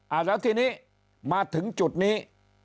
แล้วทีนี้มาถึงจุดนี้